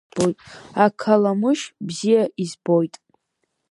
Ақаламышь бзиа избоит.